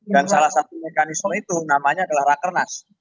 salah satu mekanisme itu namanya adalah rakernas